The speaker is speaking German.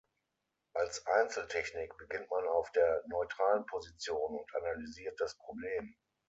Als Einzel-Technik beginnt man auf der neutralen Position und analysiert das Problem.